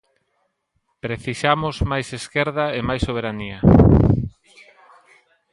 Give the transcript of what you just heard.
Precisamos máis esquerda e mais soberanía.